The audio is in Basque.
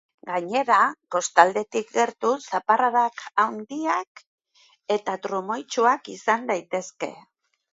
Gainera, kostaldetik gertu zaparradak handiak eta trumoitsuak izan daitezke.